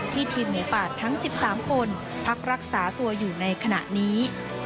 ทีมหมูป่าทั้ง๑๓คนพักรักษาตัวอยู่ในขณะนี้